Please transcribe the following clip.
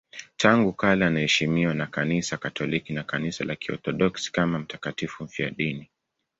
Tangu kale anaheshimiwa na Kanisa Katoliki na Kanisa la Kiorthodoksi kama mtakatifu mfiadini.